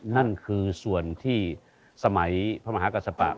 นั่นคือส่วนที่สมัยพระมหากษัตวะ